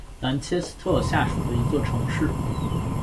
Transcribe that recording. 兰切斯特下属的一座城市。